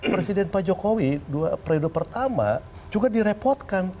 presiden pak jokowi periode pertama juga direpotkan